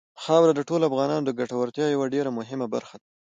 خاوره د ټولو افغانانو د ګټورتیا یوه ډېره مهمه برخه ده.